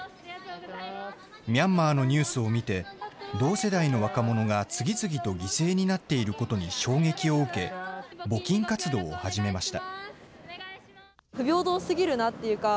ミャンマーのニュースを見て、同世代の若者が次々と犠牲になっていることに衝撃を受け、募金活動を始めました。